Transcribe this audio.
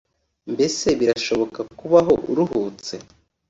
Mbese birashoboka kubaho uruhutse